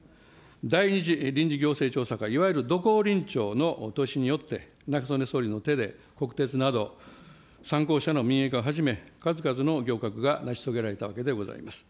第２次臨時行政調査会、いわゆる土光臨調のによって、中曽根総理の手によって、国鉄など、３公社の民営化をはじめ、数々の行革が成し遂げられたわけであります。